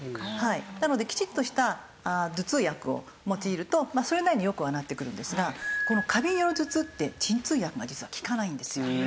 なのでキチッとした頭痛薬を用いるとそれなりに良くはなってくるんですがこのカビによる頭痛って鎮痛薬が実は効かないんですよ。